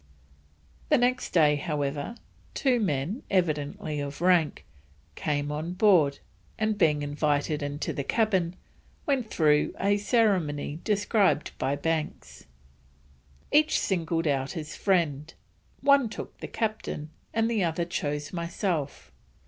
The next day, however, two men, evidently of rank, came on board, and being invited into the cabin, went through a ceremony described by Banks: "Each singled out his friend; one took the captain, and the other chose myself.